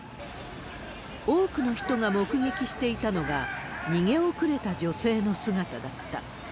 多くの人が目撃していたのが、逃げ遅れた女性の姿だった。